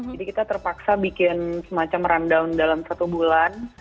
jadi kita terpaksa bikin semacam run down dalam satu bulan